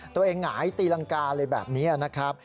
หงายตีรังกาเลยแบบนี้นะครับ